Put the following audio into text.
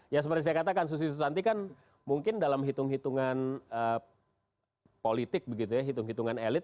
ya seperti saya katakan susi susanti kan mungkin dalam hitung hitungan politik begitu ya hitung hitungan elit